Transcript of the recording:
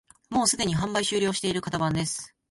もうすでに販売終了している型番です